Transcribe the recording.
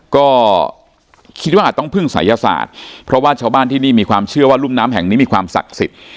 ก็คิดว่าอาจต้องพึ่งศัยศาสตร์เพราะว่าชาวบ้านที่นี่มีความเชื่อว่ารุ่มน้ำแห่งนี้มีความศักดิ์สิทธิ์